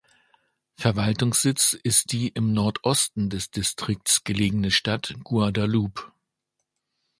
Verwaltungssitz ist die im Nordosten des Distrikts gelegene Stadt Guadalupe.